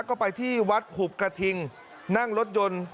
ก็ไปที่วัดหุบกระทิงนั่งรถยนต์